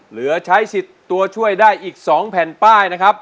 เหลือใช้สิทธิ์ตัวช่วยได้อีก๒แผ่นป้ายนะครับ